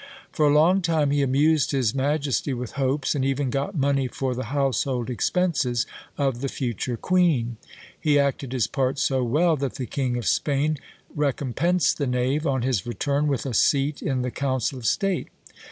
For a long time he amused his majesty with hopes, and even got money for the household expenses of the future queen. He acted his part so well, that the King of Spain recompensed the knave, on his return, with a seat in the council of state."